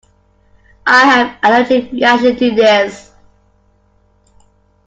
I have an allergic reaction to this.